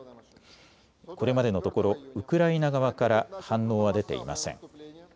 これまでのところウクライナ側から反応は出ていません。